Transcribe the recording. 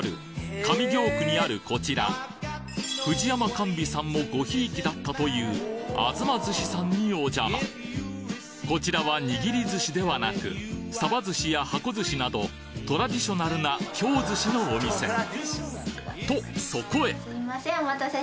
上京区にあるこちら藤山寛美さんもごひいきだったという東寿司さんにお邪魔こちらは握り寿司ではなく鯖寿司や箱寿司などトラディショナルな京寿司のお店とそこへすいません